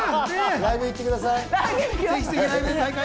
ライブ行ってください。